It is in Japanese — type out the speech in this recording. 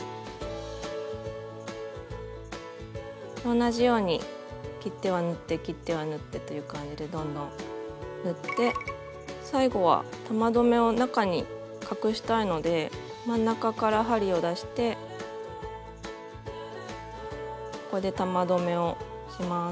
同じように切っては縫って切っては縫ってという感じでどんどん縫って最後は玉留めを中に隠したいので真ん中から針を出してここで玉留めをします。